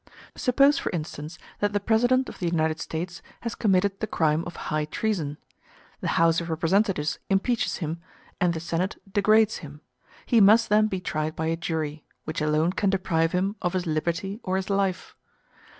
Suppose, for instance, that the President of the United States has committed the crime of high treason; the House of Representatives impeaches him, and the Senate degrades him; he must then be tried by a jury, which alone can deprive him of his liberty or his life.